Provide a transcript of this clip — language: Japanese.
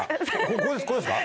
ここですか？